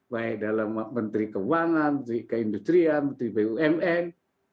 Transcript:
baik dalam menteri keuangan menteri keindustrian menteri bumn